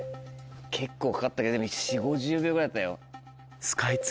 結構かかったけど４０５０秒ぐらいだったよ。